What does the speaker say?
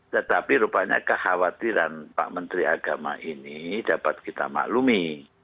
tetapi rupanya kekhawatiran pak menteri agama ini dapat kita maklumi